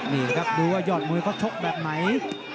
นี่ครับดูว่ายอดมวยเขาชกแบบไหน